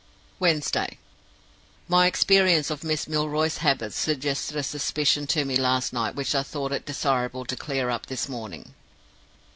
"Wednesday. My experience of Miss Milroy's habits suggested a suspicion to me last night which I thought it desirable to clear up this morning.